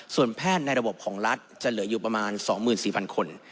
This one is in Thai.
ส่วนแพทย์ในระบบของรัฐจะเหลืออยู่ประมาณ๒๔๐๐คน